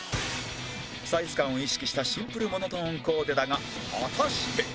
サイズ感を意識したシンプルモノトーンコーデだが果たして